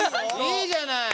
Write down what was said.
いいじゃないの。